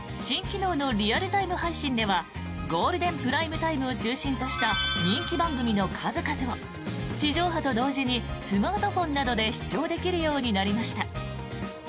新機能のリアルタイム配信ではゴールデンプライムタイムを中心とした人気番組の数々を地上波と同時にスマートフォンなどで視聴できるようになりました。